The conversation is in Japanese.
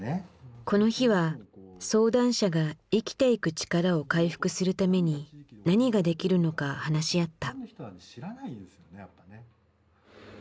この日は相談者が生きていく力を回復するために何ができるのか話し合った。